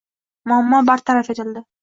Muammo bartaraf etildi.